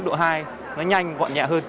khi này đi mức độ hai nó nhanh gọn nhẹ hơn